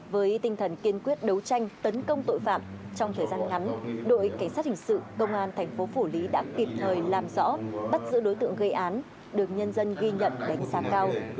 với tinh thần kiên quyết đấu tranh tấn công tội phạm trong thời gian ngắn đội cảnh sát hình sự công an thành phố phủ lý đã kịp thời làm rõ bắt giữ đối tượng gây án được nhân dân ghi nhận đánh giá cao